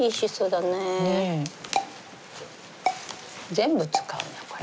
全部使うなこれ。